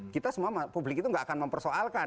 kita semua publik itu nggak akan mempersoalkan